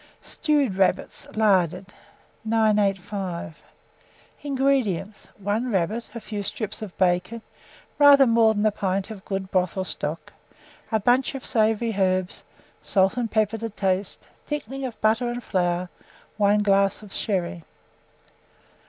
STEWED RABBIT, Larded. 985. INGREDIENTS. 1 rabbit, a few strips of bacon, rather more than 1 pint of good broth or stock, a bunch of savoury herbs, salt and pepper to taste, thickening of butter and flour, 1 glass of sherry.